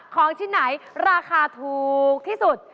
ของชิ้นไหนราคาถูกที่สุด